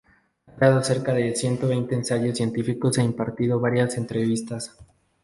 Ha creado cerca de ciento veinte ensayos científicos e impartido varias entrevistas.